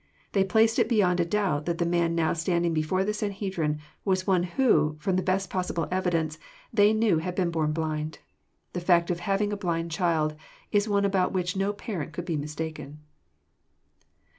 They placed it beyond a doubt that the man now standing before the Sanhedrim was one who, from the best possible evidance, they knew had been born blind. The fact of having a alind child is one about which no parent could be mistaken.